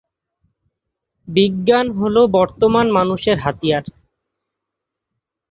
বিজ্ঞান হল বর্তমান মানুষের হাতিয়ার।